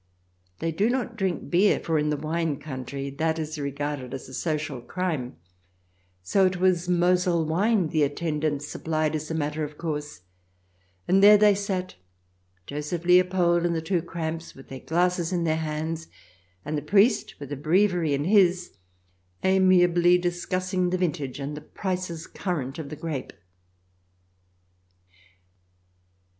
They do not drink beer, for in the wine country that is regarded as a social crime ; so it was Mosel wine the attendant supplied as a matter of course, and there they sat, Joseph Leopold and the two Kramps, with their glasses in their hands, and the priest with his breviary in his, amiably discuss ing the vintage and the prices current of the grape.